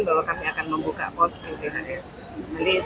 kalau kami akan membuka pos ke thr jadi sehari hari selasa